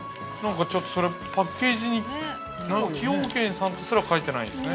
◆ちょっとそれ、パッケージに崎陽軒さんとすら書いてないんですね。